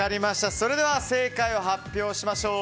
それでは正解を発表しましょう。